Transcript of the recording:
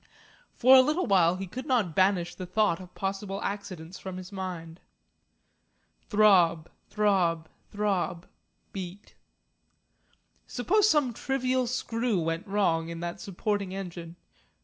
For a little while he could not banish the thought of possible accidents from his mind. Throb, throb, throb beat; suppose some trivial screw went wrong in that supporting engine!